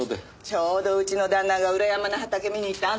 ちょうどうちの旦那が裏山の畑見に行ってあんた見つけて。